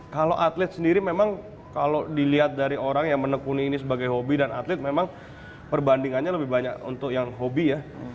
kalau atlet sendiri memang kalau dilihat dari orang yang menekuni ini sebagai hobi dan atlet memang perbandingannya lebih banyak untuk yang hobi ya